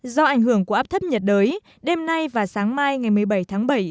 do ảnh hưởng của áp thấp nhiệt đới đêm nay và sáng mai ngày một mươi bảy tháng bảy